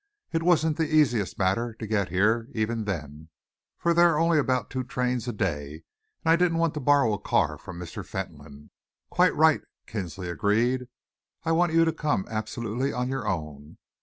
"It wasn't the easiest matter to get here, even then, for there are only about two trains a day, and I didn't want to borrow a car from Mr. Fentolin." "Quite right," Kinsley agreed. "I wanted you to come absolutely on your own.